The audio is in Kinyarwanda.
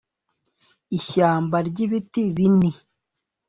ishyamba ryibiti bini